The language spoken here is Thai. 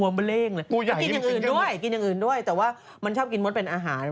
ชอบกินอย่างอื่นด้วยกินอย่างอื่นด้วยแต่ว่ามันชอบกินมดเป็นอาหาร